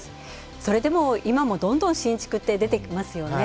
それでも、今も新築って出てきますよね。